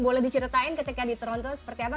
boleh diceritain ketika di tronton seperti apa